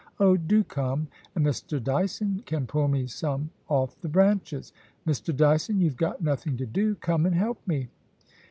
Oh, do come ! and Mr. Dyson can pull me some off the branches. Mr. Dyson, youVe got nothing to do ; come and help me.